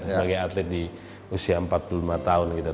sebagai atlet di usia empat puluh lima tahun gitu